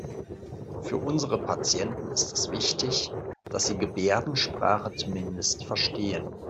Für unsere Patienten ist es wichtig, dass Sie Gebärdensprache zumindest verstehen.